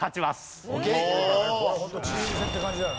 これホントチーム戦って感じだよね。